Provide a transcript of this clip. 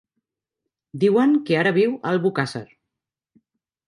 Diuen que ara viu a Albocàsser.